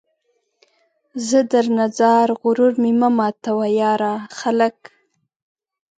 زه درنه ځار ، غرور مې مه ماتوه ، یاره ! خلک